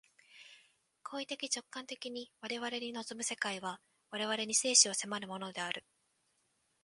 行為的直観的に我々に臨む世界は、我々に生死を迫るものである。